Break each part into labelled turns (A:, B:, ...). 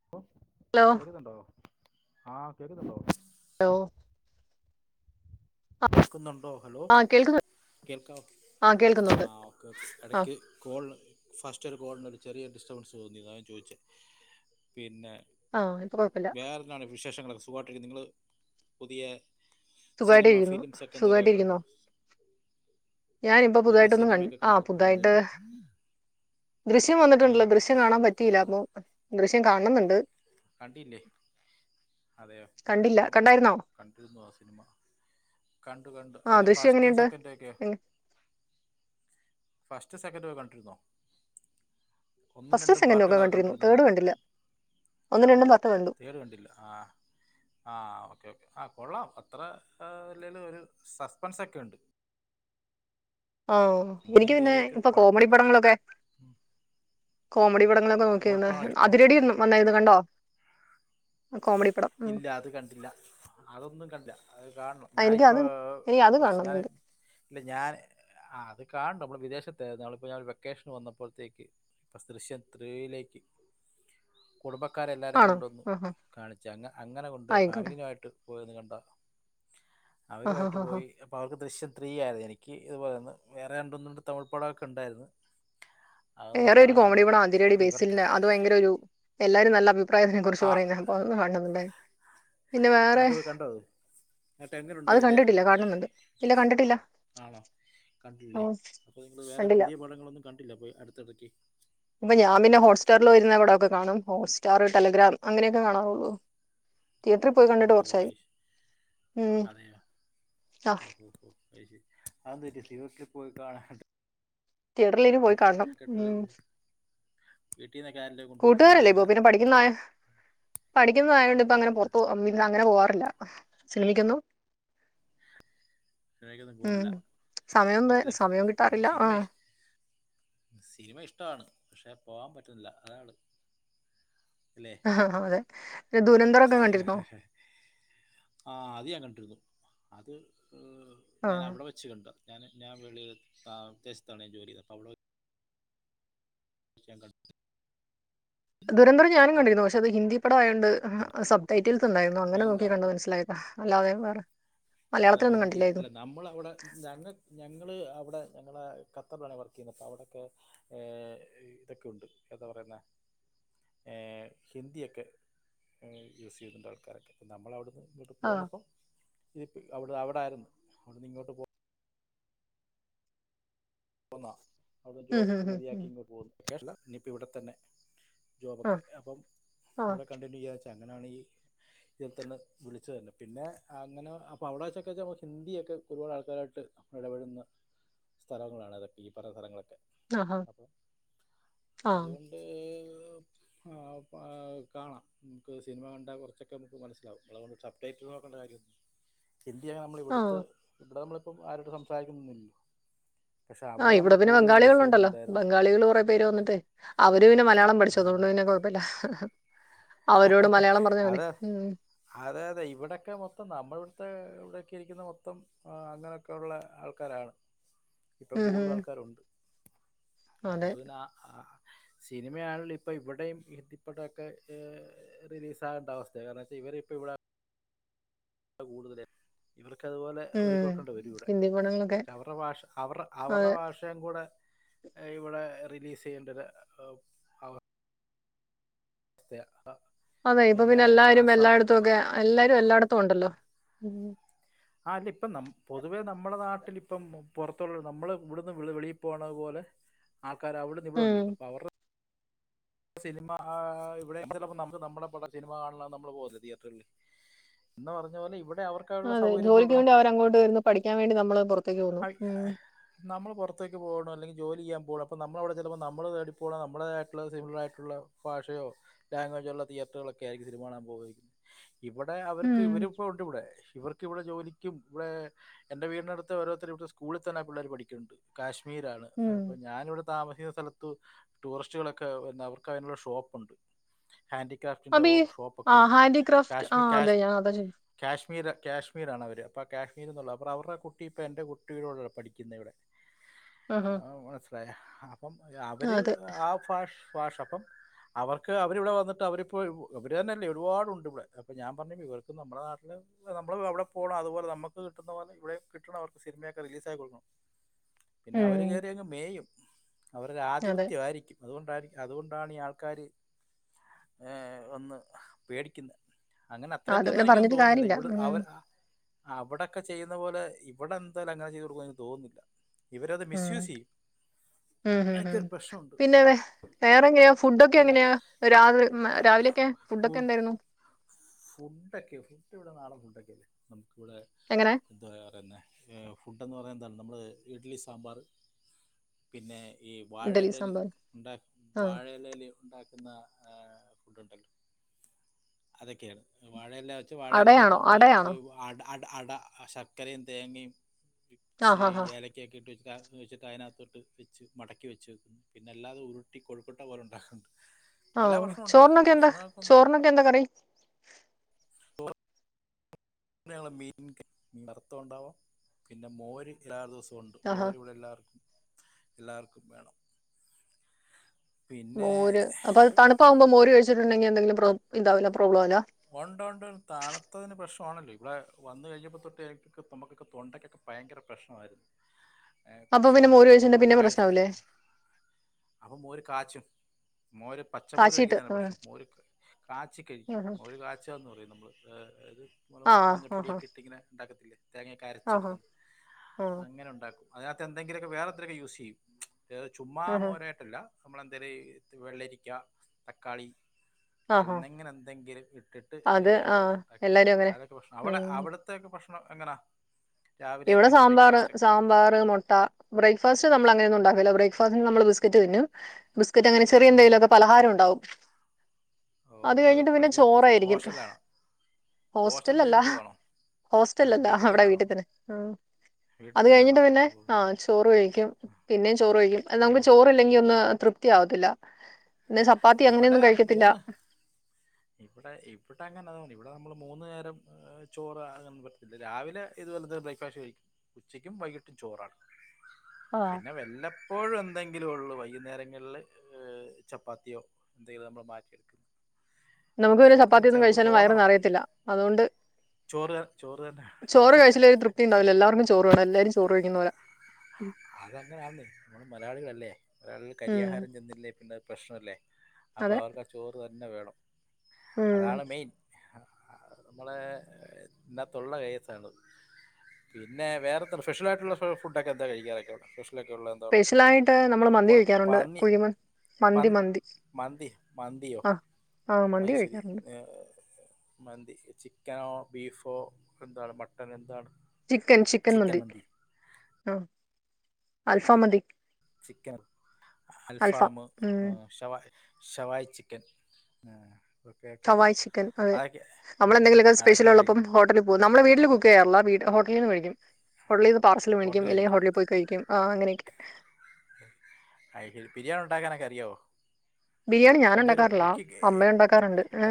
A: [inaudible]
B: Hello?
A: കേക്ക്ന്ന്ണ്ടോ ആഹ് കേക്ക്ന്ന്ണ്ടോ?
B: ഹലോ
A: കേൾക്ക്ന്ന്ണ്ടോ ഹലോ
B: ആഹ് കേൾക്കുന്നു
A: കേൾക്കാവോ
B: ആഹ് കേൾക്കുന്നുണ്ട്
A: ആഹ്
B: ആഹ്
A: എടയ്ക്ക് കോളിന് ഫസ്റ്റ് ഒര് കോളിനൊര് ചെറിയ ഡിസ്റ്റർബൻസ് തോന്നി അതാ ഞാൻ ചോയിച്ചേ. പിന്നെ.
B: ആഹ് ഇപ്പൊ കൊഴപ്പല്ല.
A: വേറെ വിശേഷങ്ങളൊക്കെ സുഖാവാട്ടിരിക്കുന്ന് നിങ്ങള് പുതിയേ
B: സുഖവായിട്ടിരിക്കുന്നു.
A: എന്തേലൊക്കെ കണ്ടോ?
B: ഞാനിപ്പൊ
A: പുതിയ
B: പുതായിട്ടൊന്നും കണ്ട്
A: സിനിമയൊക്കെ
B: ആഹ്
A: കണ്ടോ
B: പുതായിട്ട്
A: എന്തെങ്കിലും
B: ദൃശ്യം
A: ആ
B: വന്നിട്ടൊണ്ടല്ലോ ദൃശ്യം കാണാൻ പറ്റീല്ല അപ്പൊ ദൃശ്യം കാണണന്ന്ണ്ട്.
A: കണ്ടില്ലേ അതെയോ
B: കണ്ടില്ല
A: നമ്മളിപ്പം
B: കണ്ടായിരുന്നോ
A: കണ്ടിര്ന്നൂ ആഹ് സിനിമ. കണ്ടു കണ്ടു
B: ആഹ്
A: അയിന്റെ
B: ദൃശ്യം
A: ഫസ്റ്റും
B: എങ്ങനെയുണ്ട്
A: സെക്കൻഡു ഒക്കെയോ? ഫസ്റ്റു സെക്കൻഡു ഒക്കെ കണ്ടിര്ന്നോ? ഒന്നും
B: ഫസ്റ്റും
A: രണ്ടും
B: സെക്കൻഡും ഒക്കെ
A: പാർട്ട്കളൊക്കെ
B: കണ്ടിരുന്നു
A: കണ്ടിര്ന്നോന്ന്,
B: തേർഡ് കണ്ടില്ല ഒന്നും രണ്ടും പത്ത് കണ്ടു
A: തേർഡ് കണ്ടില്ല. ആഹ് ആഹ് ഓക്കെ ഓക്കെ ആഹ് കൊള്ളാം അത്ര ഏഹ് ല്ലേലൊരു സസ്പെൻസൊക്കെ ഉണ്ട്.
B: ആഹ് എനിക്ക്
A: ആരും
B: പിന്നെ
A: കയറിയൊക്കെ
B: ഇപ്പൊ കോമഡി
A: കുഴപ്പമില്ല
B: പടങ്ങളൊക്കെ കോമഡിപടങ്ങളൊക്കെ നോക്കിയിര്ന്ന്
A: നമ്മളിപ്പോഴാണ് ഇഷ്ടം
B: അതിരടി വന്നായിര്ന്ന് കണ്ടോ കോമഡി പടം ഉം
A: ഇല്ല അത് കണ്ടില്ല. അതൊന്നും കണ്ടില്ല അത് കാണണം
B: ആ, എനിക്ക് അത്
A: ഞാനിപ്പോ
B: എനിക്ക് അത്
A: കൊർച്ച് ഞാന്
B: കാണണന്നുണ്ട്
A: ഇല്ല ഞാന് ആഹ് അത് കാണ്ട് മ്മള് വിദേശത്തേര്ന്നു ഞങ്ങളിപ്പോ ഞ വെക്കേഷൻ വന്നപ്പോഴത്തേക്ക് പ്പസ് ദൃശ്യം ത്രീയിലേക്ക് കുടുംബക്കാരെല്ലാരേം
B: ആണോ
A: കൊണ്ടുവന്നു
B: ആഹ് ആഹ്
A: ചങ്ങ അങ്ങനെ കൊണ്ട്
B: ആയിക്കോട്ടെ
A: ഫാമിലിനായിട്ട് പോയിന്ന്കണ്ട
B: ആഹ്
A: അവരുമായിട്ട്
B: ആഹ് ആഹ്
A: പോയി [unintelligible] ദൃശ്യം ത്രീയായിരുന്നു എനിക്ക് ഇത്പോയന്ന് വേറെ രണ്ടന്നുംണ്ട് തമിഴ്പ്പടൊക്കെ ഉണ്ടായിര്ന്നു ആഹ്
B: വേറൊരു കോമഡി പടം അതിരടി ബേസിൽന് അത് ഭയങ്കരൊരു എല്ലാരുനല്ല അഭിപ് പ്രായം കുറിച്ച്
A: ആ
B: പറയുന്ന [unintelligible] പിന്നെ വേറെ
A: ആട്ട് പോയി കണ്ടോ അത് ആട്ട് എങ്ങനെയുണ്ട്
B: അത്
A: ഇതിന്റെ
B: കണ്ടിട്ടില്ല കാണണന്നുണ്ട് ഇല്ല കണ്ടിട്ടില്ല
A: ആണോ
B: ഓ
A: കണ്ടില്ലേ അപ്പൊ നിങ്ങള് വേറെ
B: കണ്ടില്ല
A: പുതിയ പടങ്ങളൊന്നും കണ്ടില്ലപ്പൊ അടുത്തിടക്ക്
B: ഇപ്പ ഞാൻ പിന്നെ ഹോട്ട്സ്റ്റാറിൽ വരുന്ന ഇവിടയൊക്കെ കാണും ഹോട്ട്സ്റ്റാർ ടെലഗ്രാം അങ്ങനെയൊക്കെ കാണാറുള്ളു [unintelligible]
A: ഓഹ് അയ്‌ഷ്
B: ഉം
A: അതേ
B: ആ
A: ഓഹ് ഹോ ഏ സി അതെന്ത്പറ്റി [unintelligible] പോയി കാണാണ്ട്
B: തിയേറ്ററിലേന് പോയികാണണം ഉം
A: വീട്ടീന്നകാരൻ്റെകു
B: കൂട്ടുകാരല്ലേ ഇപ്പൊ പിന്നെ പഠിക്കുന്നാ പഠിക്കുന്നതായൊണ്ട്
A: ആ,
B: ഇപ്പങ്ങനെ പൊറത്ത് പോ പിന്നങ്ങനെ പോവാറില്ല ചെളിക്കുന്നു
A: ലേക്കൊന്നുംപോണ്ല്ല
B: സമയംവേ സമയംകിട്ടാറില്ലആഹ്
A: ഇഷ്- സിനിമ ഇഷ്ട്ടാണ് പക്ഷെ പോകാൻ പറ്റുന്നില്ല അതാണ് അല്ലേ
B: ആഹ് അതെ പിന്നെ ദുരന്തറക്കെ കണ്ടിരുന്നോ
A: ആഹ് അത് ഞാൻ കണ്ടിരുന്നു അത്ഉം
B: ആ
A: ഞനവടെവെച്ച് കണ്ട ഞാന് ഞാൻ വെളില് ആഹ് വിദേശത്താണ് ഞാൻ ജോലി ചെയ്ത് അപ്പൊ അവടെ വെ ച്ച് ഞാൻ ക
B: ദുരന്തൊരം ഞാനും കണ്ടിരുന്നു പക്ഷെ അത് ഹിന്ദിപട ആയോണ്ട്
A: പിന്നെ
B: സബ്ടൈറ്റിൽസ്ണ്ടായിരുന്നു അങ്ങനെ
A: വേറെന്താണ്
B: നോക്കികണ്ട് മനസിലാ അല്ലാതെവേറെ
A: അത്ഹിന്ദി ഫിലം നമ്മളവടെ ഞങ്ങൾ ഞങ്ങള് അവടെ ഞങ്ങളെ ഖത്തറിലാണ്ഞാൻ വർക്ക്യ്യുന്നത് അപ്പ അവിടെക്കെ ഏഹ് ഇതൊക്കെ ഉണ്ട് എന്താ പറയുന്നെ ഏഹ് ഹിന്ദിയൊക്കെ യൂസ്യ്യുന്നുണ്ട് ആൾക്കാരൊക്കെ നമ്മളവിടെന്ന് ഇങ്ങട്ട്
B: ആ
A: പോന്നപ്പം ഇതിപ്പി അവടെ അവിടാരുന്നു അവിടുന്ന് ഇങ്ങോട്ട് പോ പൊന്നാ അവടെ
B: ഉം ഉം
A: ജോബ്ഒക്കെ
B: ഉം ഉം.
A: മതിയാക്കി ഇങ്ങ് പോന്നു വെക്കേഷല്ല ഇനിയിപ്പോ ഇവിടെത്തന്നെ
B: ആ
A: ജോബൊക്കെ അപ്പം
B: ആ
A: ഇവിടെ കണ്ടിന്യൂയ്യച്ചാ അങ്ങനാണി ഈ ഇതിൽതന്നെ വിളിച്ച് തന്നെ പിന്നെ അങ്ങനെ അപ്പൊ അവടെച്ചക്കാച്ചാപ്പൊ ഹിന്ദിയൊക്കെ ഒരുപാട് ആൾക്കാരായിട്ട് എടപെടുന്ന മ്പോളാണ് അതൊക്കെ ഈ പറഞ്ഞ സ്ഥലങ്ങളൊക്കെ
B: ആഹാ.
A: അപ്പ
B: ആ
A: അതുകൊണ്ട് ഏഹ്പാഹ് കാണാ മക്ക് സിനിമ കണ്ടാകുറച്ചൊക്കെ നമുക്ക് മനസ്സിലാവും [unintelligible] ടെറ്റ്റ് നോക്കണ്ട കാര്യന്നും ഹിന്ദിയാ നമ്മള്
B: ആ
A: ഇവിടുത്തെ ഇവിടെ നമ്മളിപ്പംആരോടും സംസാരിക്കുന്നൊന്നുല്ലല്ലോ
B: ആഹ് ഇവിടെ പിന്നെ
A: യൂസ്
B: ബംഗാളികളുണ്ടല്ലോ
A: ചെയ്യുന്നുണ്ടായിരുന്നു
B: ബംഗാളികള് കൊറെപേര് വന്നിട്ട് അവരും പിന്നെ മലയാളം
A: ആ.
B: പഠിച്ചു അതുകൊണ്ട് പിന്നെ കൊഴപ്പമില്ല അവരോട് മലയാളം പറഞ്ഞാൽ മതി
A: അതെ
B: ഉ
A: അതെ അതെ ഇവിടെയൊക്കെ മൊത്തം നമ്മള ഇവിടുത്തെ ഇവിടെയൊക്കെ ഇരിക്കുന്ന മൊത്തം അങ്ങനെയൊക്കെയ ഉള്ള ആൾക്കാരാണ് ഇപ്പം
B: ഉം ഉം.
A: കൂടുതല ആൾക്കാരുണ്ട്
B: അതെ
A: അതുകൊണ്ട് തന്നെ ആ സിനിമയാണെങ്കിൽ ഇപ്പൊ ഇവിടെയും ഇപ്പടെക്കെ റിലീസ് ആണ്ട അവസ്ഥ കാരണം ഇവര് ഇപ്പ ഇവിടെ ആണ് കൂടുതല ഇവർക്ക് അതുപോലെ
B: ഉം
A: [unintelligible] കൊടുക്കേണ്ട ഇവിടെ
B: ഹിന്ദി പടങ്ങളൊക്കെ
A: പക്ഷെ അവരുടെ ഭാഷ അവരുടെ അവരുടെ
B: അതെ
A: ഭാഷ [unintelligible] കൂടെ ഇവിടെ റിലീസ് ചെയ്യേണ്ടത് [unintelligible]
B: അതെ ഇപ്പ പിന്നെ എല്ലാരും എല്ലായിടത്തും ഒക്കെ എല്ലാരും എല്ലായിടത്തും ഉണ്ടല്ലോ.
A: ആ അല്ല ഇപ്പം ന പൊതുവേ നമ്മടെ നാട്ടിൽ ഇപ്പം പുറത്തുള്ള നമ്മള് ഇവിടുന്ന് വെളി പോകണതു പോലെ! ആൾക്കാര അവിടെന്ന് ഇവിടെ
B: ഉം.
A: ഉണ്ടല്ലോ. അപ്പൊ അവരുടെ! സിനിമ. ആഹ്! ഇവിടെ ചിലപ്പോ നമ്മ നമ്മടെ പടം സിനിമ കാണാൻ നമ്മള് പോകത്തില്ലേ തിയേറ്ററില്. എന്നു പറഞ്ഞ പോലെ ഇവിടെ അവർ!
B: അതെ ജോലിക്ക് വേണ്ടി അവര ങ്ങോട്ട് വരുന്ന്. പഠിക്കാൻ വേണ്ടി നമ്മള് പുറത്തേക്ക് പോകുന്നു. ഉം!
A: നമ്മൾ പുറത്തേക്ക് പോകണം അല്ലെങ്കിൽ ജോലി ചെയ്യാൻ പോകണം. അപ്പോൾ നമ്മളവിടെ ചിലപ്പോൾ നമ്മൾ തേടി പോണം നമ്മളായിട്ടുള്ള സിമ്പിളായിട്ട്! മറ്റുള്ള ഭാഷയോ ലാംഗ്വേജോ ഉള്ള തിയറ്ററുകളൊക്കെ ആയിരിക്കും സിനിമാ കാണൻ പോകുന്നത് ഇവിടെ അവർക്ക്
B: ഉം
A: ഇവരി ഇപ്പോ ഉണ്ട് ഇവിടെ. ഇവർക്ക് ഇവിടെ ജോലിക്കും ഇവിടെ! എന്റെ വീടിനടുത്തു ഓരോരുത്തരു ഇവിടത്തെ സ്കൂളിൽ തന്നെ ആ പിള്ളേരു പഠിക്കുന്നുണ്ട്. കാശ്മീരാണ്.
B: ഉം
A: അപ്പോ ഞാാനിവിടെ താമസിക്കുന്ന സ്ഥലത്തു ടൂറിസ്റ്റുകളൊക്കെ എന്താ പറ! അതിനുള്ള ഷോപ്പുണ്ട്. ഹാൻഡിക്രാഫ്റ്റിന്റെ
B: അപ്പൊ ഈ
A: ഷോപ്പൊക്കെ
B: ആ
A: ഉണ്ട്.
B: ഹാൻഡിക്രാഫ്റ്റ് ആ
A: കാശ്മി
B: അതെ
A: കാശ്മ!
B: ഞാൻ അതാ ചോദിച്ചെ
A: കാശ്മീര് കാശ്മീരാണ് അവർ അപ്പം കാശ്മീരിന്നുള്ളത്. അപ്പോ അവരുടെ കുട്ടി ഇപ്പൊൾ എൻ്റെ കുട്ടിയോടാണ് പഠിക്കുന്നത് ഇവിടെ.
B: ആഹാ
A: മനസിലായി. അപ്പം അവര്
B: അതെ
A: ആ ഭാഷ ഭാഷം! അപ്പം! അവർക്ക് അവരിവിടെ വന്നിട്ട് അവരിപ്പോ ഇ അവര് തന്നെ അല്ലേ ഒരുപാടുണ്ട് ഇവിടെ അപ്പൊ ഞാൻ പറഞ്ഞില്ലെ ഇവർക്കും നമ്മുടെ നാട്ടില്! നമ്മള് അവിടെ പോണം അതുപോലെ നമുക്ക് കിട്ടുന്ന പോലെ ഇവിടെ കിട്ടണം അവർക്ക് സിനിമയക്കെ റിലീസ് ആക്കി കൊടുക്കണം. പിന്നെ അവര്
B: ഉം
A: കയറിയങ്ങ് മേയും. അവരുടെ
B: അതെ
A: ആധിപത്യമായിരിക്കും. അതുകൊണ്ടാരി അതുകൊണ്ട്! അതാണ് ഈ ആൾക്കാാര് ഏ വന്ന് മേടിക്കുന്നെ! അങ്ങനെ
B: അത്
A: അത്രക്കൊന്നും
B: പിന്നെ
A: എനിക്കൊന്നും
B: പറഞ്ഞിട്ട്
A: തോന്നുന്നില്ല
B: കാര്യല്ല
A: ഇവിടെ
B: ഉം
A: അവര്! അവിടെക്കെ ചെയ്യുന്ന പോലെ ഇടെന്തായാലും അങ്ങനെ ചെയ്ത് കൊടുക്കും എന്നു എനിക്ക് തോന്നുന്നില്ല. ഇവരത് മിസ്
B: ഉം
A: യൂസ് ചെയ്യും. അങ്ങനെയൊക്കെ ഒരു പ്രശ്നമുണ്ട്.
B: വേറെ എങ്ങനെയാ? ഫുഡൊക്കെ എങ്ങനെയാ? രാവിലെയൊക്കെ ഫുഡൊക്കെ
A: ഫുഡ്
B: എന്തായിരുന്നു?
A: ഫുഡൊക്കെ ഉണ്ട് ഫുഡ് ഇവിടെ നാടൻ ഫുഡ ഒക്കെ അല്ലേ! നമുക്കിവിടെ!
B: എങ്ങനെ?
A: എന്തുവാ പറയുന്നെ ഫുഡ എന്ന് പറയുന്നത് എന്താണ്? നമ്മൾ ഇഡ്ലി സാമ്പാർ! പിന്നെ ഈ
B: ഇഡലി
A: വാഴലേലു
B: സാമ്പാർ
A: ഉണ്ടാക്കി
B: ആ
A: വാഴ! ലേലു ഉണ്ടാക്കുന്ന ഫുഡ് ഉണ്ടല്ലോ! അതൊക്കെയാണ്. വാഴേല വെച്ച് വാഴയിലേക്കകത്ത്
B: അടയാണോ
A: നമ്മള്!
B: അടയാണോ
A: അട അട് അട! ശർക്കരയും
B: ആ
A: തേങ്ങയുംശ്ശീ
B: ഹാ ഹാ
A: ഏല! കേറ്റിട്ട് വെച്ച് അതിനകത്തുവച്ച് മടക്കി വച്ച് പിന്നെ അല്ലാതെ ഉരുട്ടി കൊഴുക്കട്ട പോലുണ്ടാക്കി. [unintelligible]
B: ഓ ചോറിനൊക്കെ എന്താ? ചോറിനൊക്കെ എന്താ കറി?
A: [unintelligible] മീൻ വറുത്തതു ഉണ്ടാവാം. പിന്നെ മോര് എല്ലാ ദിവസവും ഉണ്ട്.
B: ആഹാ
A: മോരിവിടെ എല്ലാർക്കും എല്ലാർക്കും വേണം. പിന്നെ
B: മോര് അപ്പൊ അത് തണുപ്പാകുമ്പോ മോര് കഴിച്ചിട്ടുണ്ടെങ്കിൽ എന്തെങ്കിലും പ്രോ ഇതാവില്ല പ്രോബ്ലം അല്ല?
A: ഉണ്ട് ഉണ്ട് താണുത്തത്തിന് പ്രശ്ംമാണല്ലോ. ഇവിടെ വന്നു കഴിഞ്ഞപ്പോ തൊട്ടേ നമുക്കൊക്കെ തൊണ്ടക്കൊക്കെ! ഭയങ്കര പ്രശ്നമായിരുന്നു
B: അപ്പൊ
A: കുറച്ചു
B: പിന്നെ
A: നാളായിട്ട്.
B: മോര്
A: അപ്പ
B: കഴിച്ചിട്ടുണ്ടെങ്കിൽ
A: നമ്മളൊന്ന്
B: പിന്നെ
A: കഴിച!
B: പ്രശ്നാവില്ലേ
A: അപ്പം മോര് കാച്ചും.. മോര് പച്ചമോര്
B: കാച്ചിയിട്ട്
A: കഴിക്കുന്നാണ്
B: ആ
A: പ്രശ്നം. മോര് കാച്ചി കഴിക്കും. മോര് കാച്ചുകാന്നു പറയും നമ്മൾ അത്.
B: ആ ആ ആ
A: മഞ്ഞൾപൊടിയൊക്കെയിട്ട് ഇങ്ങനെ ഉണ്ടാക്കത്തില്ലേ? തേങ്ങയൊക്കെ
B: ആഹാ
A: അരച്ചെടുത്ത്
B: ആഹ്
A: അങ്ങനെ ഉണ്ടാക്കും. അതിനകത്ത് എന്തെങ്കിലുമൊക്കെ വേറെ എന്തെങ്കിലുമൊക്കെ യൂസ് ചെയ്യും. വേ ചുമ്മാ
B: ആഹാ
A: മോനെ! നമ്മളെന്തേലും വെള്ളരിക്ക തക്കാളി
B: ആഹാ
A: അങ്ങനെ എന്തെങ്കിലും! ഇട്ട്
B: അത് ആഹ്
A: ഉണ്ടാക്കി.
B: എല്ലാരും അങ്ങനെ ഉം
A: അവിടെത്തെയൊക്കെ ഭക്ഷണം എങ്ങനാ?
B: ഇവിടെ
A: രാവിലെയൊക്കെ
B: സാമ്പാറ്.
A: ബ്രേക്ക്ഫാസ്റ്റൊക്കെ
B: സാമ്പാറ്, മുട്ട ബ്രേക്ക്ഫാസ്റ്റ് നമ്മൾ അങ്ങനെയൊന്നും
A: ഉം.
B: ഉണ്ടാക്കില്ല. ബ്ര! ആദ്യം നമ്മള് ബിസ്ക്കറ്റ് തിന്നും. ബിസ്ക്കറ്റ് അങ്ങനെ ചെറിയ
A: ഏ.
B: എന്തെലുമൊക്കെ പലഹാരംണ്ടാവും.
A: ഓ
B: അത്
A: നിങ്ങൾ
B: കഴിഞ്ഞിട്ട് പിന്നെ
A: പഠിക്കുന്നിടത്ത് സ്കൂ
B: ചോറായിരിക്കും.
A: ഹോസ്റ്റലാണോ
B: ഹോസ്റ്റല്
A: ഹോസ്റ്റൽ
B: അല്ലാ.
A: ജീവിതമാണോ
B: ഹോസ്റ്റലല്ല അവിടെ വീട്ടിൽ തന്നെ ഉം
A: വീട്ടിൽ
B: അത്
A: തന്നെയാണോ
B: കഴിഞ്ഞിട്ട് പിന്നെ
A: ഓ
B: ആഹ് ചോറ് കഴിക്കും. പിന്നേയും ചോറ് കഴിക്കും.
A: ഓ
B: നമുക്ക് ചോറ് ഇല്ലങ്കിൽ ഒന്ന് തൃപ്തി ആവത്തില്ല. പിന്നെ ചപ്പാത്തി
A: ഇവിടെ
B: അങ്ങനെയൊന്നും കഴിക്കത്തില്ല.
A: മൂന്ന് ഇവിടെ ഇവിടെ അങ്ങനെ മൂന്ന് ഇവിടെ നമ്മള് മൂന്നു നേരം ചോറ് അങ്ങനന്നും പറ്റത്തില്ല. രാവിലെ ഇതുപോലെ തന്നെ ബ്രേക്ക്ഫാസ്റ്റ് കഴിക്കും. ഉച്ചക്കും വൈകിട്ടും ചോറാണ്.
B: ആഹ്
A: പിന്നെ വല്ലപ്പോഴും എന്തെങ്കിലും ഉള്ളൂ വൈകുന്നേരങ്ങളില് ഏഹ് ചപ്പാത്തിയോ എന്തെങ്കിലും നമ്മൾ മാറ്റിയെടുക്കുന്നു.
B: നമുക്ക് ഒരു ചപ്പാത്തി ഒന്നും കഴിച്ചാലും വയറ്
A: തോന്നണം
B: നറിയത്തില്ല. അതുകൊണ്ട്
A: ചോറ് ത- ചോറ് തന്നെ
B: ചോറ് കഴിച്ചില്ലേ ഒരു തൃപ്തി ഉണ്ടാവില്ല. എല്ലാവർക്കും ചോറ് വേണം. എല്ലാരും ചോറ് കഴിക്കുന്നവരാ
A: അതങ്ങനെയാന്ന് നമ്മള് മലയാളികളല്ലേ.
B: ഉം
A: അരിയാഹാരം ചെന്നില്ലേ പിന്നെ പ്രശ്നമല്ലേ അപ്പൊ
B: അതെ
A: അവർക്ക് ആഹ് ചോറ് തന്നെ വേണം.
B: ഉം
A: അതാണ് മെയിൻ നമ്മളെ ഇന്നത്തെ ഉള്ള കേസ് ആണ്. പിന്നെ വേറെന്താ സ്പെഷ്യൽ ആയിട്ടുള്ള ഫുഡൊക്കെ എന്താ കഴിക്കനൊക്കെയ സ്പെഷ്യൊലൊക്കെ ഉള്ള എന്താ ഉള്ള
B: സ്പെഷ്യലായിട്ട് നമ്മൾ മന്തി കഴിക്കാറുണ്ട്. കുഴിമന്തി മന്തി
A: പന്
B: മന്തി
A: മന്തി മന്തിയോ
B: ആ ആ മന്തി
A: അയിശരി
B: കഴിക്കാറുണ്ട്
A: മന്തി ചിക്കനോ ബീഫോ എന്താണ്. മട്ടൻ എന്താണ്.
B: ചിക്കൻ ചിക്കൻ മന്തി. ആ അൽഫാം മതി
A: ചിക്കൻ
B: അൽഫാം
A: അൽഫാമ്
B: ഉം
A: ഷവാ ഷവായി ചിക്കൻ ഓക്കെ ഓക്കെ
B: ഷവായി ചിക്കൻ. അതെ
A: അതൊക്കെ
B: അവളെന്തെങ്കിലുമൊക്കെ
A: അതൊക്കെ
B: സ്പെഷ്യല് ഉള്ളപ്പം
A: കഴിക്കും
B: ഹോട്ടല് പോകും. നമ്മളെ വീട്ടിൽ കുക്ക് ചെയ്യാറില്ല. ഹോട്ടലിൽ നിന്ന്മേടിക്കും. ഹോട്ടലിൽ പാഴ്സൽ
A: ഹോട്ടലിൽ
B: അല്ലെിൽ ഹോട്ടിൽ പോയി കഴിക്കും. ആഹ് അങ്ങനെയൊക്കെ
A: ബിരിയാണി ഉണ്ടാക്കാനൊക്കെ അറിയോ?
B: ബിരിയാണി ഞാൻ
A: എന്തര്
B: ഉണ്ടാക്കാറില്ല
A: കുക്കിംഗ്
B: അമ്മ ഉണ്ടാക്കാറുണ്ട് ഏ,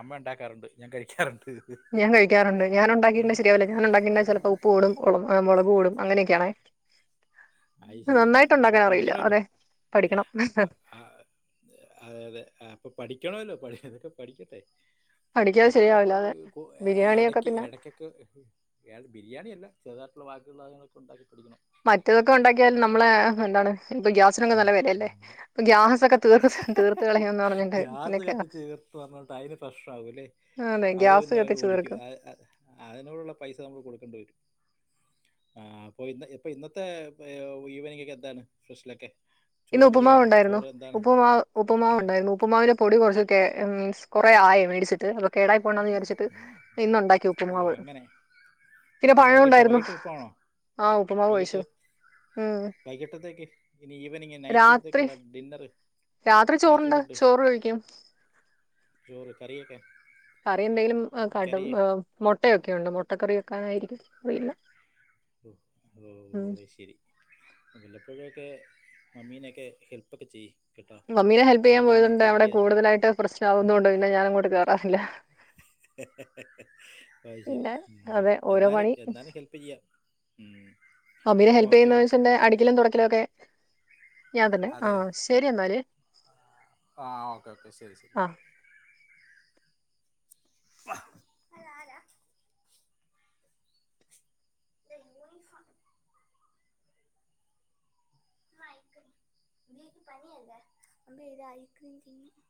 A: അമ്മ ഉണ്ടാക്കാറുണ്ട് ഞാൻ കഴിക്കാറുണ്ട്.
B: ഞാൻ കഴിക്കാറുണ്ട്. ഞാൻ ഉണ്ടാക്കിണ്ട ശരിയാവൂല്ല. ഞാൻ ഉണ്ടാക്കിണ്ട ചിലപ്പോൾ ഉപ്പ് കൂടും മുളക് കൂടും അങ്ങനെയൊക്കെയാണേ
A: അത് ശരി
B: നന്നായിട്ട്
A: അപ്പോഴും
B: ഉണ്ടാക്കാൻ അറിയില്ല. അതെ പഠിക്കണം.
A: ആഹ് അതെ അതെ അപ്പൊ പഠിക്കണല്ലോ ഇതൊക്കെ പഠിക്കട്ടെ
B: പഠിക്കാതെ
A: ഇടയ്ക്കൊക്കെ
B: ശരിയാവില്ല
A: പോയി
B: അതെ
A: കഴിക്കുപ്പോ
B: ബിരിയാണിയൊക്കെ
A: ഇടയ്ക്ക്
B: പിന്നെ
A: ഇടയ്ക്കൊക്കെ ക്കെ ബിരിയാണി അല്ല ചെറുതായിട്ടുള്ള വാക്കിയുളള സാധനങ്ങളൊക്കെ ഉണ്ടാക്കി പഠിക്കണം.
B: മറ്റതൊക്കെ ഉണ്ടാക്കിയാൽ നമ്മള് എന്താണ് ഇപ്പം ഗ്യാസ് സിനൊക്കെ നല്ല വിലയല്ലേ അപ്പൊ ഗ്യാസൊക്കെ തീർ തീർത്ത് കളയുംന്ന് പറഞ്ഞിട്ട്
A: ഗ്യാസ്
B: നെക്കെ
A: കത്തിച്ച് ചേർത്ത് പറഞ്ഞിട്ട് അയ്ന് പ്രശ്നമാവുംല്ലേ
B: അതെ
A: അത്
B: ഗ്യാസ്
A: പിന്നെ അവര്
B: കത്തിച്ച്
A: ഓടിക്കും
B: തീർക്കും
A: അത് അതിനോടുള്ള പൈസ നമ്മൾ കൊടുക്കെണ്ടി വരും ആഹ് അപ്പൊ ഇന്ന് ഇപ്പൊ ഇന്നത്തെ ഈവനിങ്ങ് ഒക്കെ എന്താണ് ഫ്രഷിലൊക്കെ
B: ഇന്ന് ഉപ്പുമാവ് ഉണ്ടായിരുന്നു ഉപ്പുമാവ് ഉപ്പുമാവ്
A: ഉം.
B: ഉണ്ടായിരുന്നു ഉപ്പ്മാവിൻ്റെ പൊടി കുറച്ചൊക്കെ മീൻസ് കുറേ ആയേ മേടിച്ചിട്ട് കേടായി പോണ്ടന്ന് വിചരിച്ചിട്ട് ഇന്ന് ഉണ്ടാക്കി
A: ഓ,
B: ഉപ്പുമാവ്
A: അങ്ങനെ
B: പിന്നെ പഴം
A: വൈകിട്ട്
B: ഉണ്ടായിരുന്നു
A: വൈകിട്ട് ഉപ്പാണോ
B: ആഹ് ഉപ്പുമാവ്
A: വൈകിട്ട്
B: കഴിച്ചു ഉം
A: വൈകിട്ടത്തേക്ക് ഇനി ഈവനിങ്
B: രാത്രി
A: നൈറ്റത്തേക്കുള്ള ഡിന്നറ്
B: രാത്രി ചോറ്ണ്ട് ചോറ് കഴിക്കും
A: ചോറ് കറിയൊക്കെ
B: കറി എന്തെങ്കിലും
A: കറി
B: കടും മുട്ടയൊക്കെുണ്ട് മുട്ട കറി വെക്കാനായിരിക്കും അറിയില്ല
A: ഓ
B: ഉം
A: ഓഹ് അയ് ശരി വല്ലപ്പോഴൊക്കെ മമ്മീനൊക്കെ ഹെല്പ്പൊക്കെ ചെയ്യ് കേട്ടോ
B: മമ്മീനെ ഹെൽപ് ചെയ്യാൻ
A: കഴിക്കാൻ
B: പോയതുണ്ട്
A: മാത്രം
B: അവിടെ
A: ഇരിക്കാതെ
B: കൂടുതലായിട്ട് പ്രശ്നമാവുന്നോണ്ട് പിന്നെ ഞാനങ്ങോട്ട് കേറാറില്ല
A: ആഹ് ശരി
B: പിന്നെ അതെ ഓരോ
A: എന്നാലും
B: പണി
A: എന്നാലും ഹെൽപ്പ് ചെയ്യാം ഉം
B: മമ്മീനെ ഹെൽപ് ചെയ്യുന്നുവെച്ച്ന്റെ അടിക്കലും തുടക്കലൊക്കെ
A: അതേയോ
B: ശരി എന്നാല്
A: ആഹ് ഓക്കെ ഓക്കെ ശരി ശരി
B: ആ
A: [inaudible] അതാരാ ന്റെ യൂണിഫോം ഇന്നയിക്കും പിന്നെ എനിക്ക് പനിയല്ലേ [unintelligible]